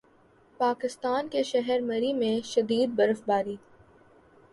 پاکستان کے شہر مری میں شدید برف باری